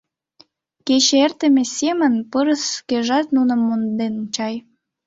Кече эртыме семын пырыс шкежат нуным монден чай.